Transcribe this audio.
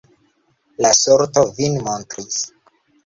La sorto vin montris.